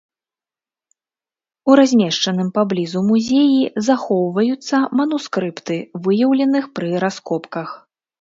У размешчаным паблізу музеі захоўваюцца манускрыпты, выяўленых пры раскопках.